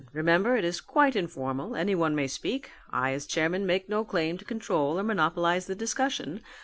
Remember it is quite informal, anyone may speak. I as chairman make no claim to control or monopolize the discussion.